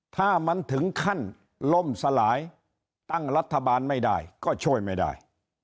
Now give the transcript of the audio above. ถ้ามันถึงขั้นล่มสลายตั้งรัฐบาลไม่ได้ก็ช่วยไม่ได้